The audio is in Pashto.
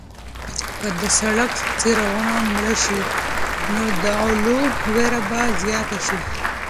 که د سړک څراغونه مړه شي نو د غلو وېره به زیاته شي.